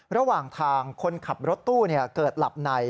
ระหว่างทางคนขับรถตู้เกิดหลับใน